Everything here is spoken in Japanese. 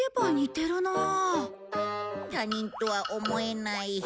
他人とは思えない。